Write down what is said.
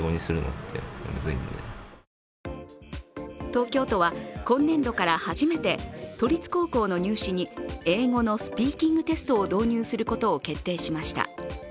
東京都は今年度から初めて都立高校の入試に英語のスピーキングテストを導入することを決定しました。